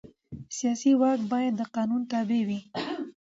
سیاسي واک باید د قانون تابع وي